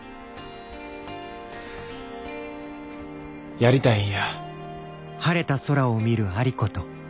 やりたいんや。